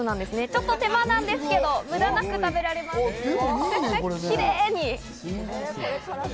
ちょっと手間ですけれども、むだなく食べられます。